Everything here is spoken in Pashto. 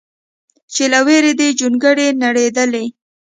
چې له ویرې دې جونګړې نړېدلې